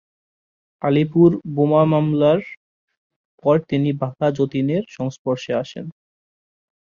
আলিপুর বোমা মামলার পর তিনি বাঘা যতীনের সংস্পর্শে আসেন।